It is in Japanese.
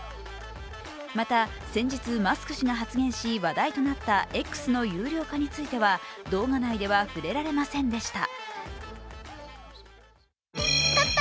また、先日マスク氏が発言し、話題となったＸの有料化については動画内では触れられませんでした。